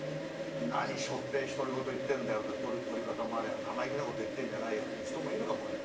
「何しょって独り言言ってんだよ」ってとり方もありゃ「生意気なこと言ってんじゃないよ」っていう人もいるかもわかんない。